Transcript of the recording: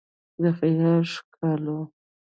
د خیال ښکالو